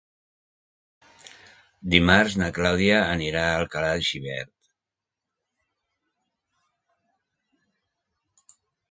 Dimarts na Clàudia anirà a Alcalà de Xivert.